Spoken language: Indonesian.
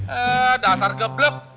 eh dasar geblek